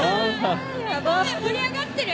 盛り上がってる？